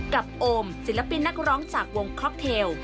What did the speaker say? โอมศิลปินนักร้องจากวงค็อกเทล